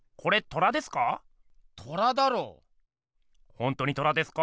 ほんとに虎ですか？